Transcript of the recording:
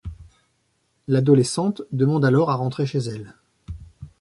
L'adolescente demande alors à rentrer chez elle.